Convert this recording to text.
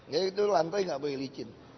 jadi itu lantai nggak boleh licin